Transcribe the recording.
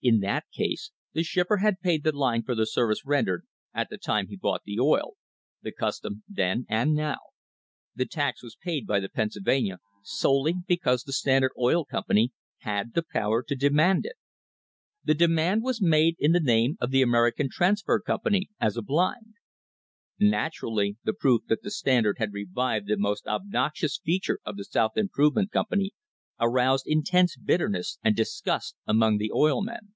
In that case the shipper had paid the line for the service rendered, at the time he bought the oil — the custom then and now. The tax was paid by the Pennsylvania solely because the Standard Oil Com pany had the power to demand it. The demand was made in the name of the American Transfer Company as a blind. Naturally the proof that the Standard had revived the most THE CRISIS OF 1878 obnoxious feature of the South Improvement Company aroused intense bitterness and disgust among the oil men.